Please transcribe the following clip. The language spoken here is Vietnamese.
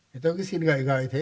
thì tôi cứ xin gợi gợi thế